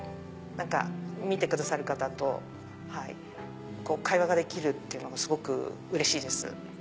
見てくださる方と会話ができるっていうのがすごくうれしいです。